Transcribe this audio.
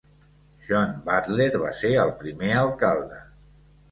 John Butler va ser el primer alcalde.